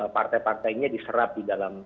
partai partainya diserap di dalam